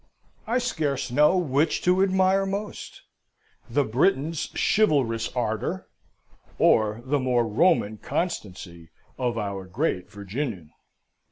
I scarce know which to admire most. The Briton's chivalrous ardour, or the more than Roman constancy of our great Virginian."